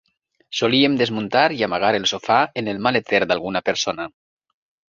Solíem desmuntar i amagar el sofà en el maleter d'alguna persona.